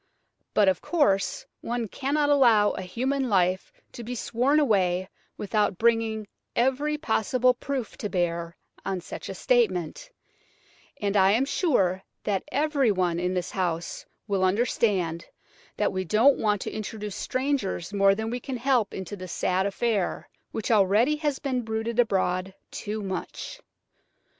But, of course, one cannot allow a human life to be sworn away without bringing every possible proof to bear on such a statement, and I am sure that everyone in this house will understand that we don't want to introduce strangers more than we can help into this sad affair, which already has been bruited abroad too much."